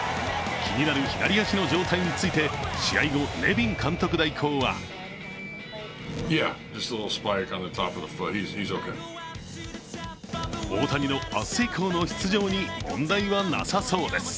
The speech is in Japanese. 気になる左足の状態について試合後、ネビン監督代行は大谷の明日以降の出場に問題はなさそうです。